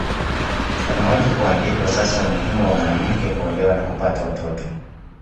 Anahoji kuwa ndipo sasa umuhimu wa mwanamke kuolewa na kupata watoto